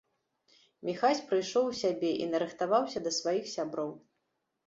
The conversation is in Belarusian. Міхась прыйшоў у сябе і нарыхтаваўся да сваіх сяброў.